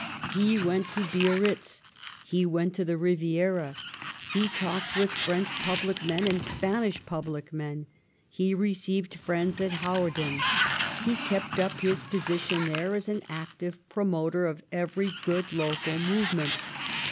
He went to Biarritz, he went to the Riviera, he talked with French public men and Spanish public men, he received friends at Hawarden, he kept up his position there as an active promoter of every good local movement.